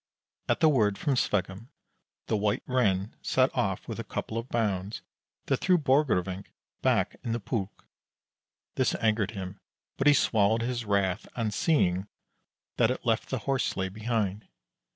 At the word from Sveggum the White Ren set off with a couple of bounds that threw Borgrevinck back in the pulk. This angered him, but he swallowed his wrath on seeing that it left the horse sleigh behind.